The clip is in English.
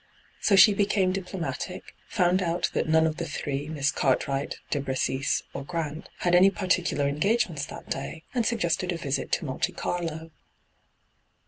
So she hecame diplomatic, found out that none of the three, Miss Cartwright, De Bressis, or Grant, had any particular engagements that day, and suggested a visit to Monte Carlo.